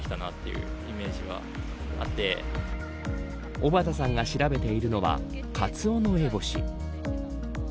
小畑さんが調べているのはカツオノエボシ。